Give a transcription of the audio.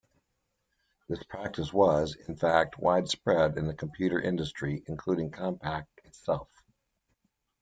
This practice was, in fact, widespread in the computer industry, including Compaq itself.